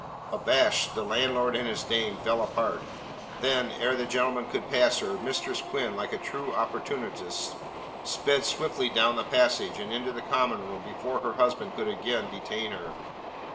Abashed, the landlord and his dame fell apart. Then, ere the gentleman could pass her, Mistress Quinn, like a true opportunist, sped swiftly down the passage and into the common room before her husband could again detain her.